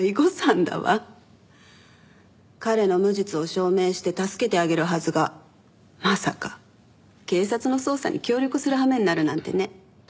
彼の無実を証明して助けてあげるはずがまさか警察の捜査に協力するはめになるなんてね。